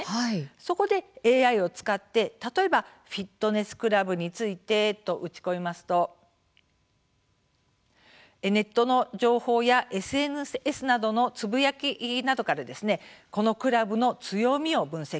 そこでＡＩを使って、例えばフィットネスクラブについてと打ち込むとネットの情報やＳＮＳなどのつぶやきなどからこのクラブの強みを分析。